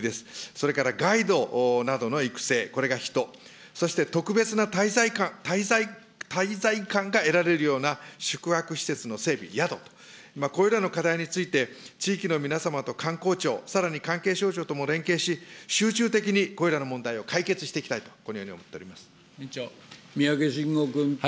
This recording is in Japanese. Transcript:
それからガイドなどの育成、これが人、そして特別な滞在感が得られるような宿泊施設の整備、宿、これらの課題について、地域の皆様と観光庁、さらに関係省庁とも連携し、集中的にこれらの問題を解決していきたいと、このように思ってお三宅伸吾君。